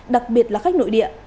đặc biệt là khách nội địa